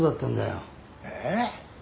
えっ？